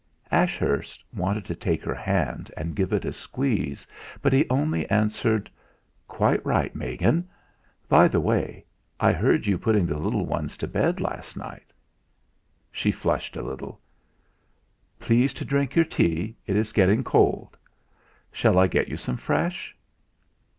Ashurst wanted to take her hand and give it a squeeze, but he only answered: "Quite right, Megan. By the way, I heard you putting the little ones to bed last night." She flushed a little. "Please to drink your tea it is getting cold. Shall I get you some fresh?"